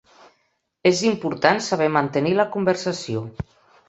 És important saber mantenir la conversació.